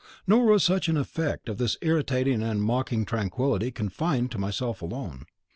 Nor was such an effect of this irritating and mocking tranquillity confined to myself alone.